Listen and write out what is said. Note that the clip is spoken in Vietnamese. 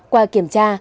qua kiểm tra